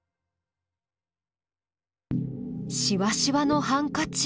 しわしわのハンカチ。